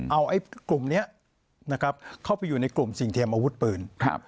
เอาไอ้กลุ่มนี้นะครับเข้าไปอยู่ในกลุ่มสิ่งเทียมอาวุธปืน